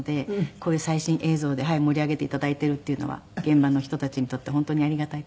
こういう最新映像で盛り上げて頂いているっていうのは現場の人たちにとって本当にありがたい事です。